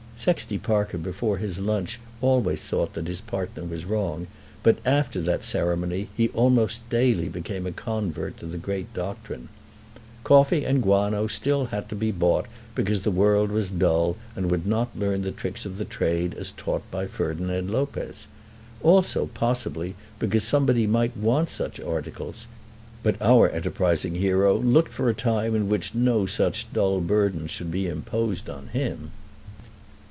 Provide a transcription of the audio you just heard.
Sexty Parker before his lunch always thought that his partner was wrong, but after that ceremony he almost daily became a convert to the great doctrine. Coffee and guano still had to be bought because the world was dull and would not learn the tricks of trade as taught by Ferdinand Lopez, also possibly because somebody might want such articles, but our enterprising hero looked for a time in which no such dull burden should be imposed on him.